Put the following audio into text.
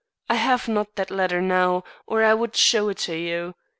I have not that letter now, or I would show it to you.